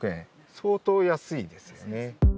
相当安いですよね。